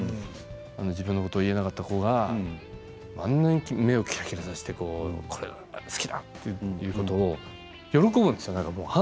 自分のことが言えなかった子があんな目をキラキラさせてこれが好きだと言うことを喜ぶんですよ。